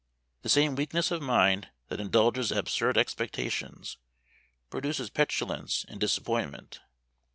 The same weakness of mind that indulges absurd expectations, produces petulance in disappointment.